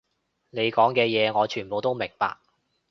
你講嘅嘢，我全部都明白